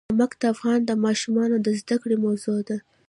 نمک د افغان ماشومانو د زده کړې موضوع ده.